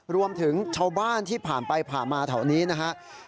รวมถึงชาวบ้านที่ผ่านไปผ่านมาแถวนี้นะครับ